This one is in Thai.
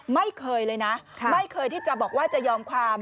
ไม่เคยเลยนะไม่เคยที่จะบอกว่าจะยอมความ